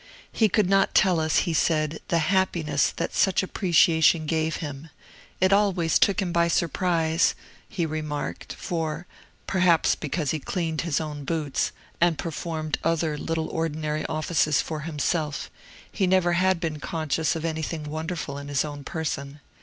He could not tell us, he said, the happiness that such appreciation gave him; it always took him by surprise, he remarked, for perhaps because he cleaned his own boots, and performed other little ordinary offices for himself he never had been conscious of anything wonderful in his own person.